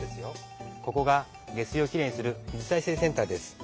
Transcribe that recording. ここが下水をきれいにする水再生センターです。